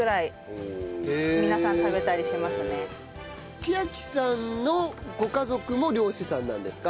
千晶さんのご家族も漁師さんなんですか？